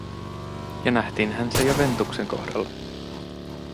Ja nähtiinhän se jo Ventuksen kohdalla.